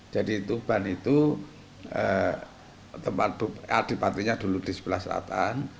jadi tuban itu tempat adipatunya dulu di sebelah serataan